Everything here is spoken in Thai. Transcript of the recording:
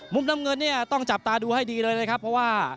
มุมน้ำเงินต้องจับตาดูให้ดีเลยเพราะว่า